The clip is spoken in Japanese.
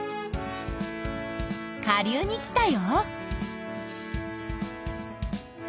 下流に来たよ。